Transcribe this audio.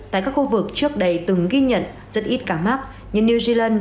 tại các khu vực trước đây từng ghi nhận rất ít ca mắc như new zealand